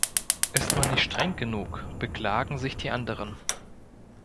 Ist man nicht streng genug, beklagen sich die anderen.